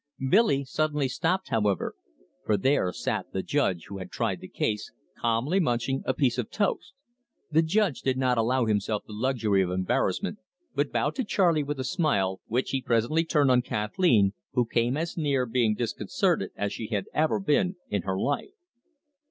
Billy suddenly stopped, however, for there sat the judge who had tried the case, calmly munching a piece of toast. The judge did not allow himself the luxury of embarrassment, but bowed to Charley with a smile, which he presently turned on Kathleen, who came as near being disconcerted as she had ever been in her life.